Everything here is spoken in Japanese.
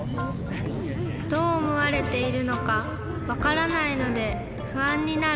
どうおもわれているのかわからないのでふあんになる。